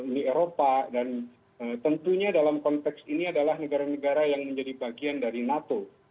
uni eropa dan tentunya dalam konteks ini adalah negara negara yang menjadi bagian dari nato